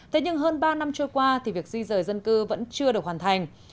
thế nhưng hơn ba năm trôi qua thì việc di rời dân cư vẫn chưa được hoàn thành